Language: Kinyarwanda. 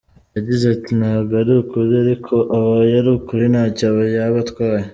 Yagize ati “Ntabwo ari ukuri ariko abaye ari ukuri ntacyo yaba atwaye.